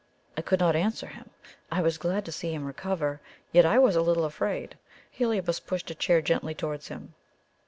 I could not answer him. I was glad to see him recover, yet I was a little afraid. Heliobas pushed a chair gently towards him.